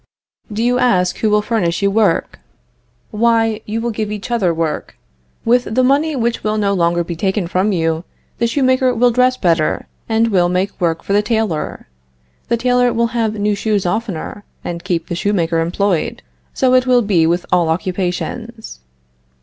Do you ask who will furnish you work? Why, you will give each other work. With the money which will no longer be taken from you, the shoemaker will dress better, and will make work for the tailor. The tailor will have new shoes oftener, and keep the shoemaker employed. So it will be with all occupations.